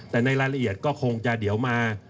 แต่ในรายละเอียดก็คงจะเดี๋ยวมา